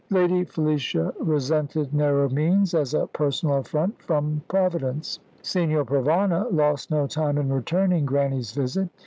Lady Felicia resented narrow means, as a personal affront from Providence. Signor Provana lost no time in returning Grannie's visit.